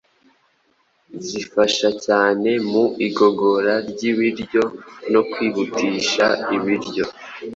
zifasha cyane mu igogora ry’ibiryo no kwihutisha ibiryo